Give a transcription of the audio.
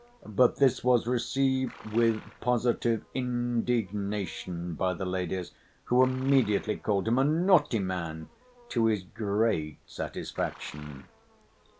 But this was received with positive indignation by the ladies, who immediately called him a "naughty man," to his great satisfaction.